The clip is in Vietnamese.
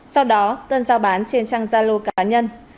sau đó tân giao bán trên trang gia lô cá nhân